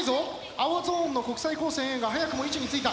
青ゾーンの国際高専Ａが早くも位置についた。